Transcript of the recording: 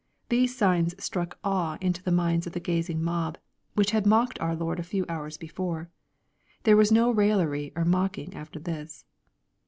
These signs struck awe into the minds of the gazing mob, which had mocked our Lord a few hours before. There was no raillery or mocking after this.